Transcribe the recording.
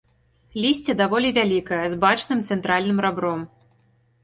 Лісце даволі вялікае, з бачным цэнтральным рабром.